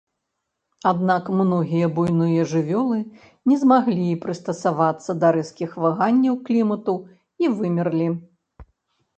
Аднак многія буйныя жывёлы не змаглі прыстасавацца да рэзкіх ваганняў клімату і вымерлі.